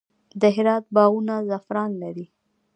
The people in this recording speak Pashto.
د هرات باغونه زعفران لري.